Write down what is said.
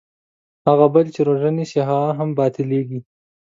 هغه بل چې روژه نیسي هغه هم باطلېږي.